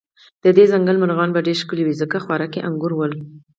د دې ځنګل مرغان به ډېر ښکلي و، ځکه خوراکه یې انګور ول.